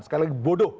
sekali lagi bodoh